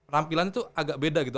rampilan tuh agak beda gitu